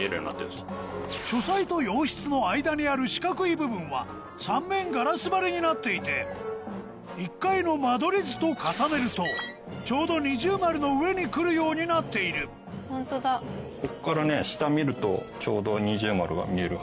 書斎と洋室の間にある四角い部分は三面ガラス張りになっていて１階の間取り図と重ねるとちょうど二重丸の上にくるようになっているこっからね。